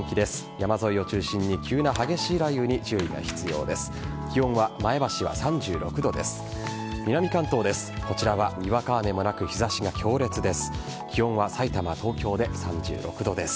山沿いを中心に急な激しい雷雨に注意が必要です。